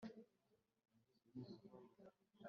rugiye kurunguruka uruhehe rugwa mu jisho rirapfa